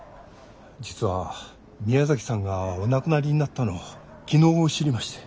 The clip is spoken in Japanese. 実は宮崎さんがお亡くなりになったのを昨日知りまして。